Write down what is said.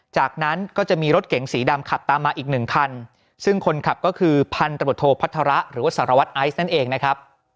จากนั้นก็จะมีรถเก๋งสีดำขับตามมาอีกหนึ่งคันซึ่งคนขับก็คือพันธบทโทพัฒระหรือว่าสารวัตรไอซ์นั่นเองนะครับ